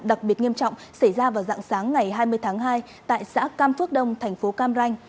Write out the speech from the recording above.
đặc biệt nghiêm trọng xảy ra vào dạng sáng ngày hai mươi tháng hai tại xã cam phước đông thành phố cam ranh